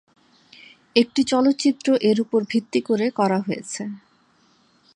একটি চলচ্চিত্র এর উপর ভিত্তি করে করা হয়েছে।